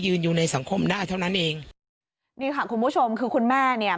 อยู่ในสังคมได้เท่านั้นเองนี่ค่ะคุณผู้ชมคือคุณแม่เนี่ย